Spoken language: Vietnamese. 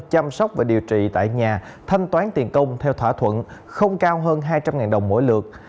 chăm sóc và điều trị tại nhà thanh toán tiền công theo thỏa thuận không cao hơn hai trăm linh đồng mỗi lượt